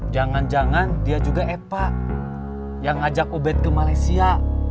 jangan jangan dia juga epa yang ngajak ubed ke malaysia